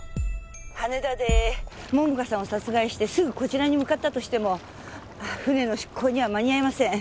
羽田で桃花さんを殺害してすぐこちらに向かったとしても船の出航には間に合いません。